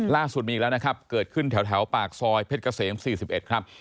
ล่าสุดมีอีกแล้วนะครับเกิดขึ้นแถวปากซอยเพชรเกษม๔๑ครับ